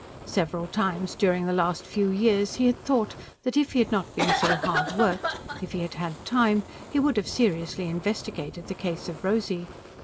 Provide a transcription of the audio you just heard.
Several times during the last few years he had thought that if he had not been so hard worked, if he had had time, he would have seriously investigated the case of Rosy.